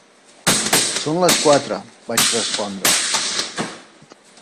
"Són les quatre", vaig respondre.